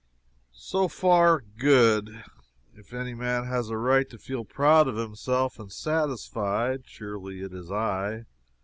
So far, good. If any man has a right to feel proud of himself, and satisfied, surely it is I.